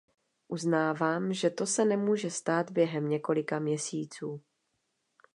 Uznávám, že to se nemůže stát během několika měsíců.